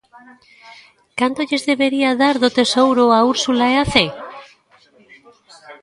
¿Canto lles debería dar do tesouro a Úrsula e a Zé?